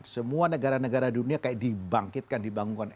semua negara negara dunia kayak dibangkitkan dibangunkan